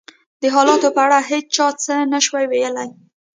د حالاتو په اړه هېڅ چا څه نه شوای ویلای.